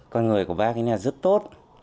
con người của bác ấy rất tốt